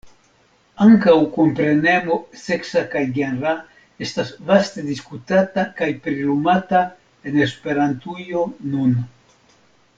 Ankaŭ komprenemo seksa kaj genra estas vaste diskutata kaj prilumata en Esperantujo nun.